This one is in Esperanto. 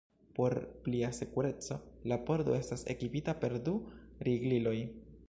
Por plia sekureco, la pordo estas ekipita per du rigliloj.